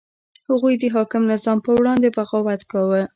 هغوی د حاکم نظام په وړاندې بغاوت کاوه.